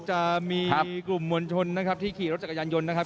จะมีกลุ่มมวลชนนะครับที่ขี่รถจักรยานยนต์นะครับ